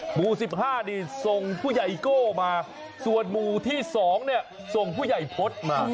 หมู่๑๕นี่ส่งผู้ใหญ่โก้มาส่วนหมู่ที่๒เนี่ยส่งผู้ใหญ่พจน์มา